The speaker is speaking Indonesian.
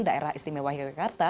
daerah istimewa yogyakarta